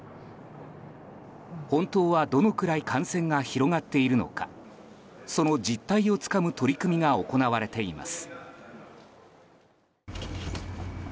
本当はどのくらい感染が広がっているのかその実態をつかむ取り組みが行われています。